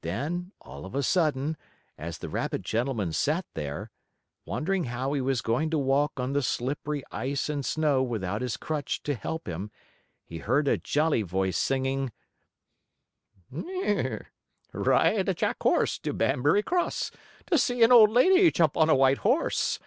Then, all of a sudden, as the rabbit gentleman sat there, wondering how he was going to walk on the slippery ice and snow without his crutch to help him, he heard a jolly voice singing: "Ride a Jack horse to Banbury Cross, To see an old lady jump on a white horse.